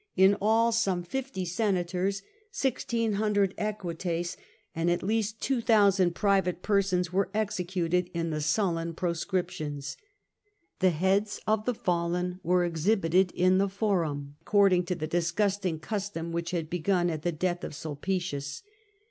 In all, some 50 senators, 1600 equites, and at least 2000 private persons were executed in the Sullan proscriptions.^ The heads of the fallen were exhibited in the Torum, according to the disgusting custom which had begun at the death of Sulpicius.